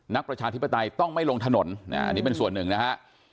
ประชาธิปไตยต้องไม่ลงถนนอันนี้เป็นส่วนหนึ่งนะฮะ